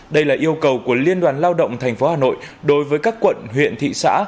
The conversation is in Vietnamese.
đây là yêu cầu của liên đoàn lao động tp hà nội đối với các quận huyện thị xã